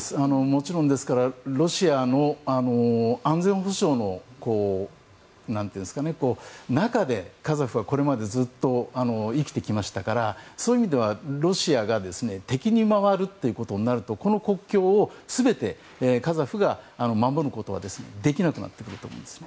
もちろん、ですからロシアの安全保障の中でカザフはこれまでずっと生きてきましたからそういう意味ではロシアが敵に回るということになるとこの国境を全てカザフが守ることはできなくなってくると思います。